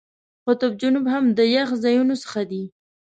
قطب جنوب هم د یخ ځایونو څخه دی.